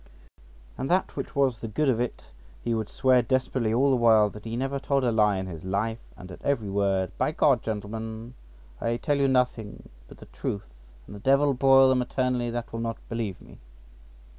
{98c} And that which was the good of it, he would swear desperately all the while that he never told a lie in his life, and at every word: "By G— gentlemen, I tell you nothing but the truth, and the d—l broil them eternally that will not believe me."